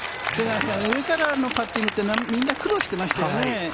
上からのパッティングって、みんな苦労してましたよね。